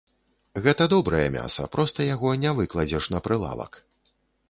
Гэта добрае мяса, проста яго не выкладзеш на прылавак.